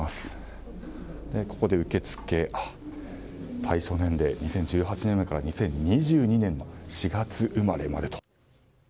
ここで受付、対象年齢２０１８年度から２０２２年の４月生まれまでと。